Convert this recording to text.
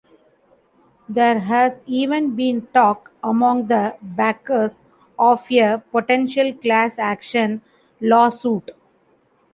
There has even been talk, among the backers, of a potential class action lawsuit.